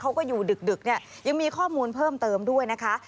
เขาก็อยู่ดึกเนี่ยยังมีข้อมูลเพิ่มเติมด้วยนะคะ